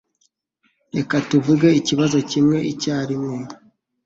Reka tuvuge ikibazo kimwe icyarimwe.